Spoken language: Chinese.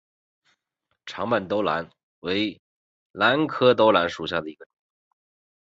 长瓣兜兰为兰科兜兰属下的一个种。